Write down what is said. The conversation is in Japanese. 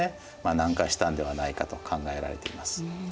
南下したんではないかと考えられています。